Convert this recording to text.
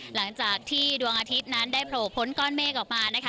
หลังจากที่ดวงอาทิตย์นั้นได้โผล่พ้นก้อนเมฆออกมานะคะ